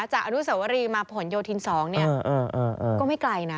าจารุศวรีมาผ่โยทิน๒เนี่ยก็ไม่ไกลนะ